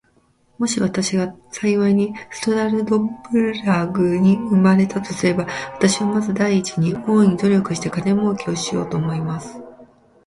もし私が幸いにストラルドブラグに生れたとすれば、私はまず第一に、大いに努力して金もうけをしようと思います。